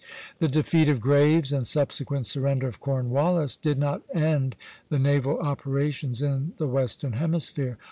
The defeat of Graves and subsequent surrender of Cornwallis did not end the naval operations in the western hemisphere.